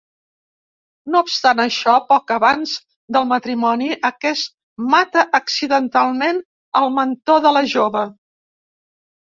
No obstant això, poc abans del matrimoni aquest mata accidentalment el mentor de la jove.